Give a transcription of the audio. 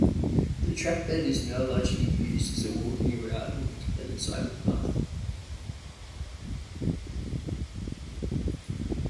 The trackbed is now largely used as a walking route and cycle path.